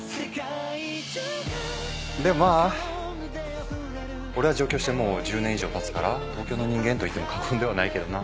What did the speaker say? でもまぁ俺は上京してもう１０年以上たつから東京の人間といっても過言ではないけどな。